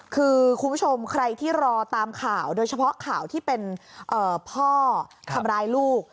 คือคุณผู้ชมใครที่รอตามข่าวโดยเฉพาะข่าวที่เป็นพ่อทำร้ายลูก